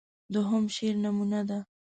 دوهم شعر نمونه ده.